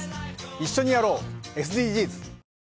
一緒にやろう、ＳＤＧｓ